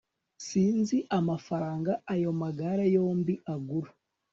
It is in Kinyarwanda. Sinzi amafaranga ayo magare yombi agura